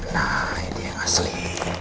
nah ini yang asli